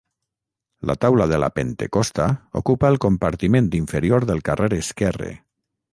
La taula de la Pentecosta ocupa el compartiment inferior del carrer esquerre.